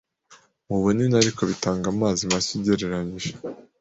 mu bunini ariko bitanga amazi make ugereranije